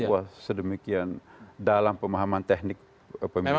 saya tidak tahu sedemikian dalam pemahaman teknik pemilikan